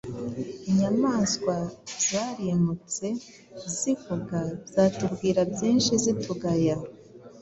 Inyamaswa ziramutse zivuga zatubwira byinshi zitugaya